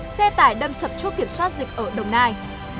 xe tải đâm sập chốt kiểm soát dịch ở đồng nai